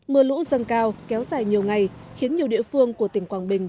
mưa lũ dần cao kéo dài nhiều ngày khiến nhiều địa phương của tỉnh quảng bình